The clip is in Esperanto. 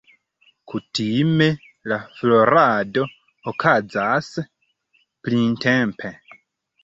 Kutime la florado okazas printempe.